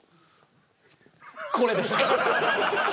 これです。